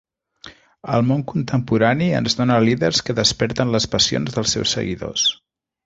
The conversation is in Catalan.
El món contemporani ens dóna líders que desperten les passions dels seus seguidors.